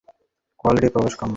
কোয়ালিস্টদের প্রবেশ কাম্য নয়।